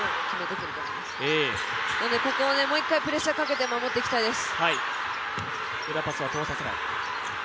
ここをもう一回プレッシャーかけて守っていきたいです。